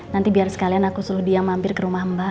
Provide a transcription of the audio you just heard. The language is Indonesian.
nanti biar sekalian aku suruh dia mampir ke rumah mbak